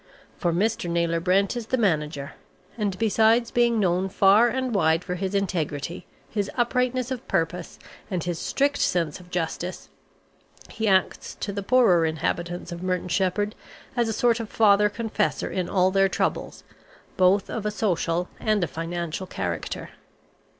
For Mr. Naylor Brent is the manager, and besides being known far and wide for his integrity, his uprightness of purpose, and his strict sense of justice, he acts to the poorer inhabitants of Merton Sheppard as a sort of father confessor in all their troubles, both of a social and a financial character.